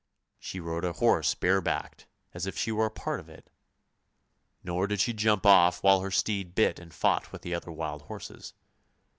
She rode a horse bare backed as if she were a part of it, nor did she jump off while her steed bit and fought with the other wild horses.